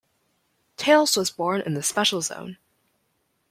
Tails was born in the Special Zone.